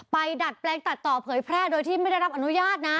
ดัดแปลงตัดต่อเผยแพร่โดยที่ไม่ได้รับอนุญาตนะ